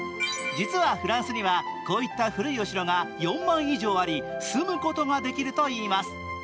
実はフランスにはこういった古いお城が４万以上あり住むことができるといいます。